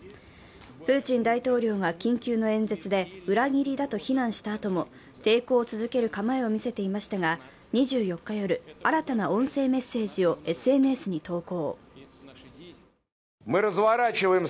プーチン大統領が緊急の演説で、裏切りだと非難したあとも抵抗を続ける構えを見せていましたが２４日夜、新たな音声メッセージをＳＮＳに投稿。